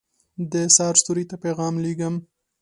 دسحرستوري ته پیغام لېږم